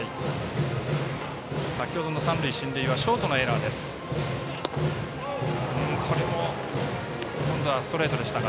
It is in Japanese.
先程の三塁進塁はショートのエラーでした。